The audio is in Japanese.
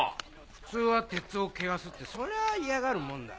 普通は鉄を汚すってそりゃあ嫌がるもんだ。